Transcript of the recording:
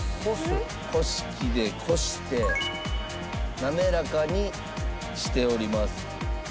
濾し器で濾して滑らかにしております。